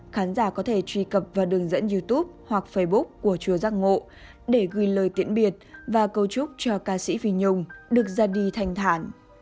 khán giả có thể truy cập vào đường dẫn youtube hoặc facebook của chùa giác ngộ để gửi lời tiễn biệt và câu chúc cho ca sĩ phi nhung được ra đi thành thản